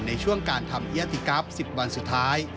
ในช่วงการทำอิยาติกรัพย์สิบวันสุดท้าย